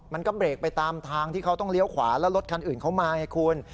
มันก็เบรกไปตามทางที่เขาต้องเลี้ยวขวาแล้วรถคันอื่นเขามาไงคุณ